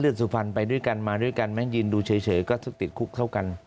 เลือดสุฟันไปด้วยกันมาด้วยกันยินดูเฉยก็ติดคุกเท่ากัน